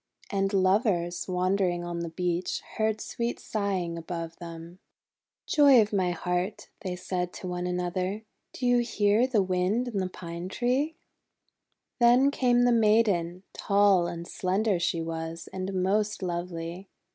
And Lovers, wandering on the beach, heard sweet sighing above them. :<Joy of my heart," THE WIND IN THE PINE 327 they said one to another, "do you hear the Wind in the Pine Tree?" Then came the Maiden; tall and slender she was, and most lovely.